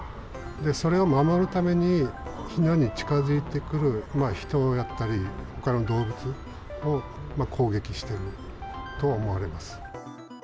それを守るために、ひなに近づいてくる人だったり、ほかの動物を攻撃してると思われます。